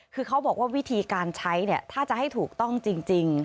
คือเขาบอกว่าวิธีการใช้เนี่ยถ้าจะให้ถูกต้องจริง